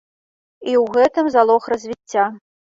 І ў гэтым залог развіцця.